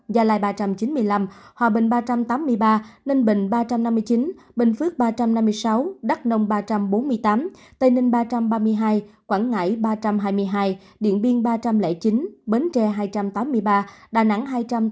gia lai ba trăm chín mươi năm hòa bình ba trăm tám mươi ba ninh bình ba trăm năm mươi chín bình phước ba trăm năm mươi sáu đắk nông ba trăm bốn mươi tám tây ninh ba trăm ba mươi hai quảng ngãi ba trăm hai mươi hai điện biên ba trăm linh chín bến tre hai trăm tám mươi ba đà nẵng hai trăm tám mươi